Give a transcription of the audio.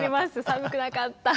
寒くなかった。